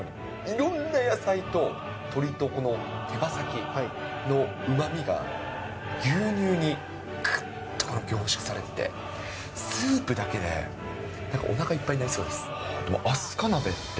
いろんな野菜と鶏とこの手羽先のうまみが、牛乳にぐっと凝縮されて、スープだけでなんかおなかいっぱいになりそうです。